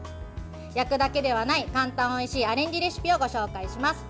焼くだけではない簡単おいしいアレンジレシピをご紹介します。